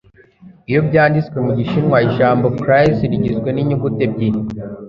iyo byanditswe mu gishinwa, ijambo 'crise' rigizwe ninyuguti ebyiri